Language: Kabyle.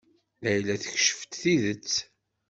Layla tekcef-d tidet.